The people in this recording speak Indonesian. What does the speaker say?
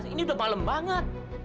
ini udah malem banget